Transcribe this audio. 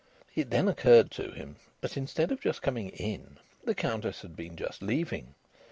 It then occurred to him that, instead of just coming in, the Countess had been just leaving.